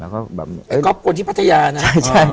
ก๊อฟคนที่พัทยานะ